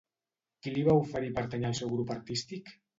Qui li va oferir pertànyer al seu grup artístic?